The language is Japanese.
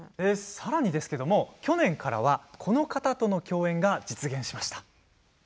さらにですけれども去年からは、この方との共演も実現しました。